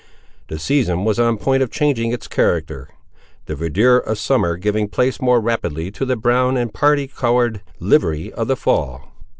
The season was on the point of changing its character; the verdure of summer giving place more rapidly to the brown and party coloured livery of the fall.